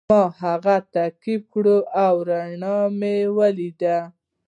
ما هغه تعقیب کړ او رڼا مې ولیده.